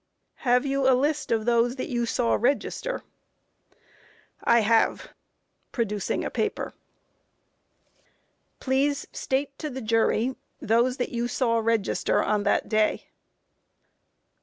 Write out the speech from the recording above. Q. Have you a list of those that you saw register? A. I have, (producing a paper.) Q. Please state to the Jury, those that you saw register on that day.